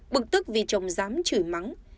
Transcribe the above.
bực tức vì chồng dám chửi mắng